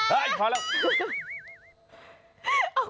ไอหมา